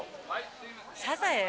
サザエ？